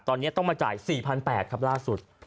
ตอนนี้ต้องมาจ่าย๔๘๐๐ครับล่าสุด